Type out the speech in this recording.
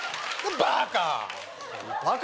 バカ！